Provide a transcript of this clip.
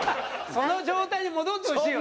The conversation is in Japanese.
その状態に戻ってほしいよね。